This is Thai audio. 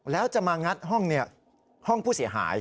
แล้วจะมางัดห้องนี่ห้องผู้เสียหาย